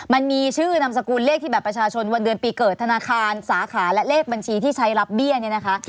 มันมีชื่อนามสกุลเลขที่บัตรประชาชนวันเดือนปีเกิดธนาคารสาขาและเลขบัญชีที่ใช้รับเบี้ยเนี่ยนะคะ